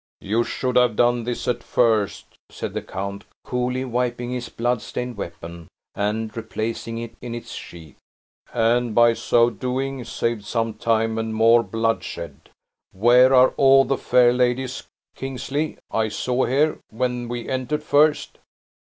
"You should have done this at first!" said the count, coolly wiping his blood stained weapon, and replacing it in its sheath; "and, by so doing, saved some time and more bloodshed. Where are all the fair ladies, Kingsley, I saw here when we entered first?"